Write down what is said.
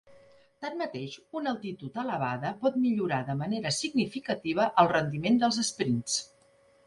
Tanmateix, una altitud elevada pot millorar de manera significativa el rendiment dels esprints.